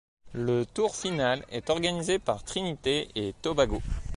Le tour final est organisé par Trinité-et-Tobago.